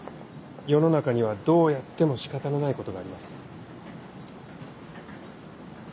世の中にはどうやっても仕方のないことがあります。